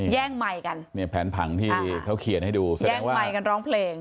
เจ๊งไมกันเงี่ยแผนผังที่เขาเขียนให้ดูเรียกความให้กันร้องเพลง